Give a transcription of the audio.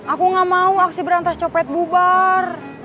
aku gak mau aksi berantas copet bubar